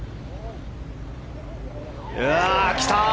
きた！